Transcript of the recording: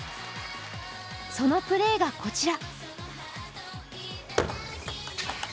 そのプレーがこちら。